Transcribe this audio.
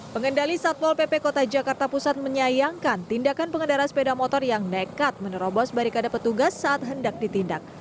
pengendali satpol pp kota jakarta pusat menyayangkan tindakan pengendara sepeda motor yang nekat menerobos barikade petugas saat hendak ditindak